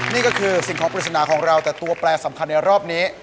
นี่ก็คือสิ่งของปริศนาของเราแต่ตัวแปลสำคัญในรอบนี้